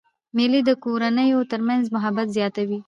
مېلې د کورنیو تر منځ محبت زیاتوي.